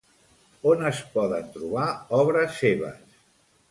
On es poden trobar obres seves?